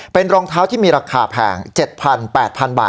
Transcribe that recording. เป็นรองเท้าที่มีราคาแพง๗๘๐๐๐บาท